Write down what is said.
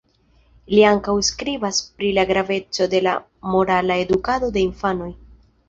Li ankaŭ skribas pri la graveco de la morala edukado de infanoj.